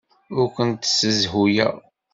Ur kent-ssezhuyeɣ.